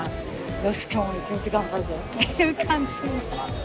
よし今日も一日頑張るぞっていう感じ。